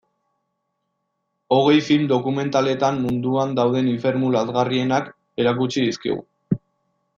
Hogei film dokumentaletan munduan dauden infernu lazgarrienak erakutsi dizkigu.